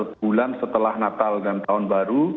bulan setelah natal dan tahun baru